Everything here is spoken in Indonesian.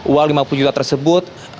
uang lima puluh juta tersebut